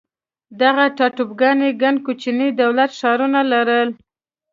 دغه ټاپوګانو ګڼ کوچني دولت ښارونه لرل.